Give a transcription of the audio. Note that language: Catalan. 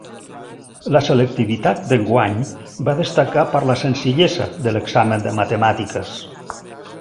La selectivitat d'enguany va destacar per la senzillesa de l'examen de Matemàtiques